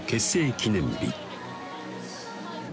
記念日